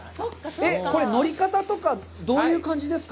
えっ、これ、乗り方とか、どういう感じですか。